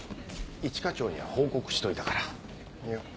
一課長には報告しておいたからいいよ。